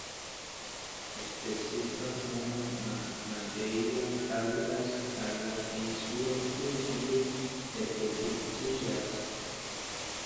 La specifa nomo "madeira" aludas al la insulo kie ili reproduktiĝas.